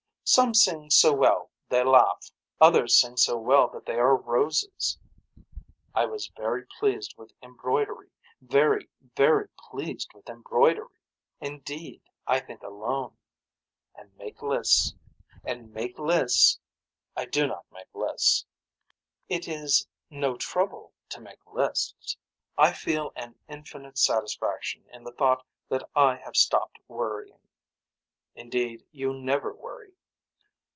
Some sing so well they laugh. Others sing so well that they are roses. I was very pleased with embroidery very very pleased with embroidery. Indeed. Indeed I think alone. And make lists. And make lists. I do not make lists. It is no trouble to make lists. I feel an infinite satisfaction in the thought that I have stopped worrying. Indeed you never worry.